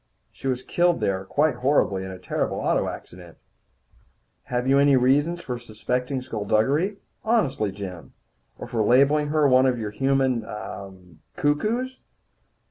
She was killed there quite horribly, in a terrible auto accident." "Have you any reason for suspecting skulduggery? Honestly, Jim? Or for labelling her one of your human er cuckoos?"